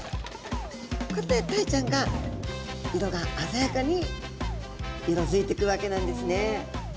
こうやってタイちゃんが色があざやかに色づいてくわけなんですね。